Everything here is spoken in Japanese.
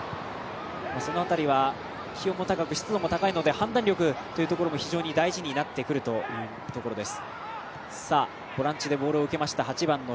その辺りは気温も高く、湿度も高いので判断力というところも非常に大事になってくるというところです。